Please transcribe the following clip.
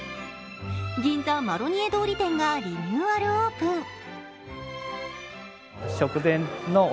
銀座マロニエ通り店がリニューアルオープン。